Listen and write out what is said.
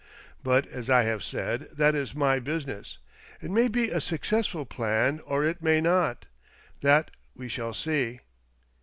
But, as I have said, that is my business. It may be a successful plan, or it may not ; that we shall see.